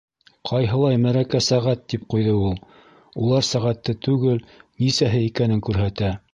—Ҡайһылай мәрәкә сәғәт! —тип ҡуйҙы ул. —Улар сәғәтте түгел, нисәһе икәнен күрһәтә!